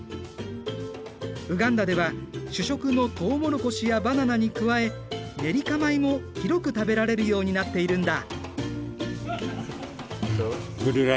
ウガンダでは主食のとうもろこしやバナナに加えネリカ米も広く食べられるようになっているんだ。